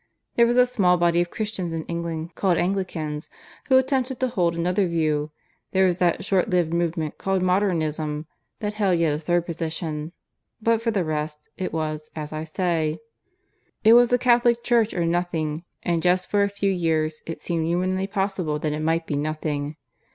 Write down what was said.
There was a small body of Christians in England called Anglicans, who attempted to hold another view; there was that short lived movement called Modernism, that held yet a third position. But, for the rest, it was as I say. "It was the Catholic Church or nothing. And just for a few years it seemed humanly possible that it might be nothing.